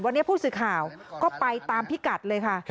วันนี้ผู้สื่อข่าวก็ไปตามพิกัดเลยค่ะ